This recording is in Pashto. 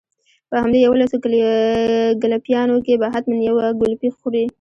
په همدې يوولسو ګلپيانو کې به حتما يوه ګلپۍ خورې.